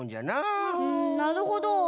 なるほど。